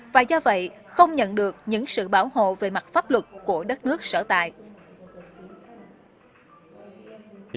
và do vậy không nhận được những sự bảo hộ về mặt pháp luật của đất nước sở tại